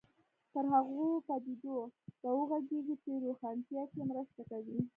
پر هغو پدیدو به وغږېږو چې روښانتیا کې مرسته کوي.